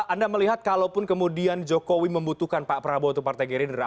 anda melihat kalaupun kemudian jokowi membutuhkan pak prabowo untuk partai gerindra